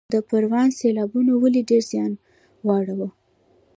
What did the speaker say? د پروان سیلابونو ولې ډیر زیان واړوه؟